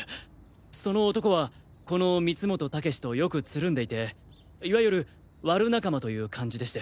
その男はこの光本猛志とよくつるんでいていわゆるワル仲間という感じでして。